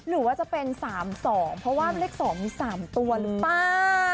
หรือว่าจะเป็น๓๒เพราะว่าเลข๒มี๓ตัวหรือเปล่า